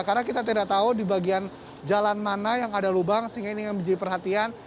karena kita tidak tahu di bagian jalan mana yang ada lubang sehingga ini menjadi perhatian